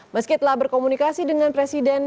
meski telah berkomunikasi dengan presiden